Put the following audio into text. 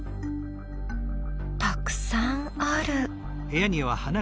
たくさんある。